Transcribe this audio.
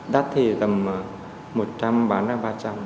đắt thì tầm một trăm linh bán ra ba trăm linh